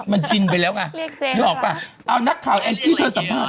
มันชินไปแล้วไงนึกออกป่ะเอานักข่าวแองจี้เธอสัมภาษณ